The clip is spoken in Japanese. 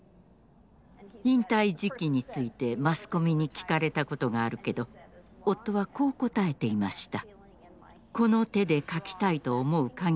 引退時期についてマスコミに聞かれたことがあるけど夫はこう答えていました。